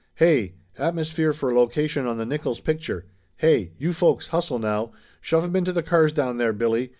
"Hey ! Atmosphere for location on the Nickolls pic ture! Hey. you folks hustle now! Shove 'em into the cars down there, Billy!